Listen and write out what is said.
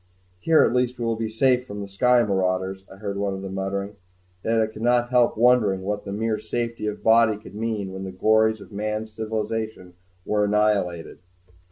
"Here at least we will be safe from the sky marauders," I heard one of them muttering. Yet I could not help wondering what the mere safety of the body could mean when all the glories of man's civilization were annihilated.